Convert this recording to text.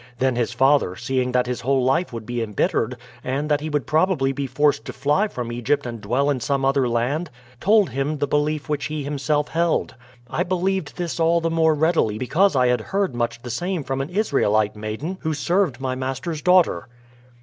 Then his father, seeing that his whole life would be imbittered, and that he would probably be forced to fly from Egypt and dwell in some other land, told him the belief which he himself held. I believed this all the more readily because I had heard much the same from an Israelite maiden who served my master's daughter."